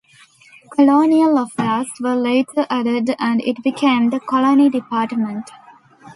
Colonial affairs were later added and it became the Colony Department.